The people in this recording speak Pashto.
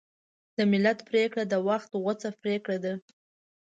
د ملت پرېکړه د وخت غوڅه پرېکړه ده.